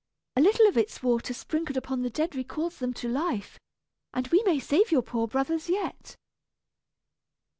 A little of its water sprinkled upon the dead recalls them to life, and we may save your poor brothers yet."